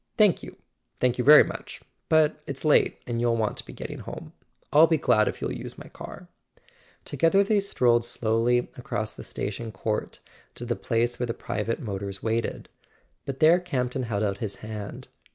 "Thank you. Thank you very much. But it's late and you'll want to be getting home. I'll be glad if you'll use my car." To¬ gether they strolled slowly across the station court to the place where the private motors waited; but there Campton held out his hand.